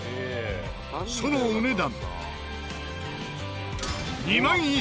そのお値段。